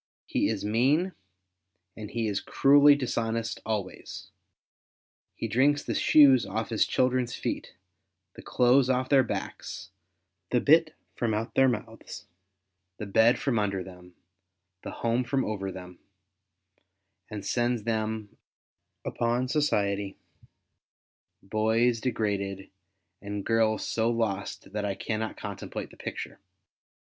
He is mean, and he is cruelly dishonest always. He driirks the shoes off his children's feet, the clothes off theu* backs, the bit from out their mouths, the bed from under them, the home from over them, and sends them upon society, boys degraded, and guis so lost that I cannot contemplate the picture.